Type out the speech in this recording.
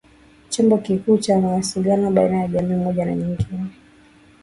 Chombo kikuu cha mawasiliano baina ya jamii moja na nyingine